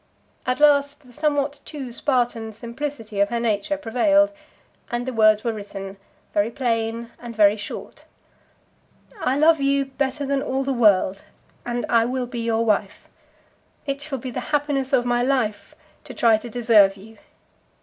At last the somewhat too Spartan simplicity of her nature prevailed, and the words were written, very plain and very short. I love you better than all the world, and I will be your wife. It shall be the happiness of my life to try to deserve you.